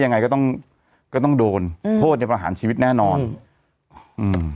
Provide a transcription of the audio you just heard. ยังไงก็ต้องก็ต้องโดนอืมโทษในประหารชีวิตแน่นอนอืม